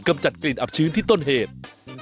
จัดกลิ่นอับชื้นที่ต้นเหตุ